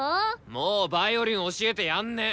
もうヴァイオリン教えてやんねぇ。